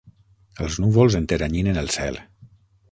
Els núvols enteranyinen el cel.